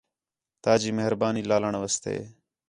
تا جی مہربانی لالݨ واسطے